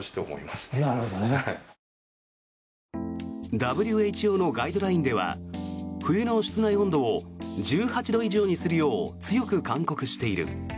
ＷＨＯのガイドラインでは冬の室内温度を１８度以上にするよう強く勧告している。